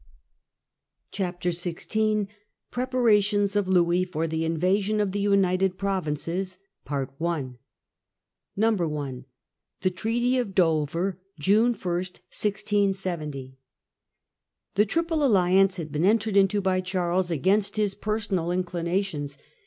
CHAPTER XVL PREPARATIONS OF LOUIS FOR THE INVASION OF THE UNITED PROVINCES. i. The Treaty ok Dover, June i, 1670. The Triple Alliance had been entered into by Charles against his personal inclinations.